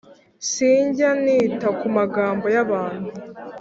Sinjya nita kumagambo y’abantu